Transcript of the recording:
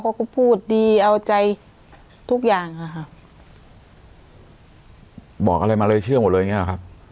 เขาก็พูดดีเอาใจทุกอย่างค่ะบอกอะไรมาเลยเชื่อหมดเลยอย่างเงี้ยครับ